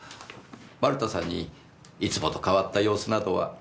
丸田さんにいつもと変わった様子などは？